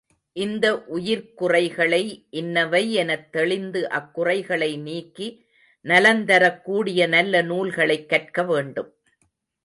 இந்த உயிர்க்குறைகளை இன்னவை எனத் தெளிந்து அக்குறைகளை நீக்கி நலந்தரக் கூடிய நல்ல நூல்களைக் கற்க வேண்டும்.